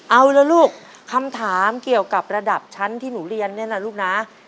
เอาละลูกคำถามเกี่ยวกับระดับชั้นที่หนูเรียนเนี่ยนะลูกนะ